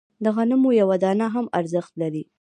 د غنمو یوه دانه هم ارزښت لري.